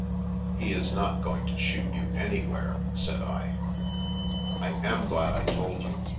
" He is not going to shoot you anywhere," said I. "I am glad I told you.